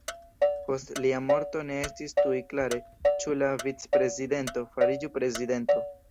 Post lia morto ne estis tuj klare ĉu la vic-predizento fariĝu prezidento.